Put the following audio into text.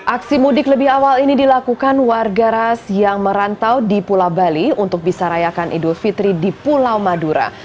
aksi mudik lebih awal ini dilakukan warga ras yang merantau di pulau bali untuk bisa rayakan idul fitri di pulau madura